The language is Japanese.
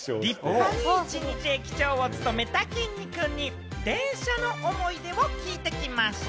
一日駅長を務めた、きんに君に、電車の思い出を聞いてきました。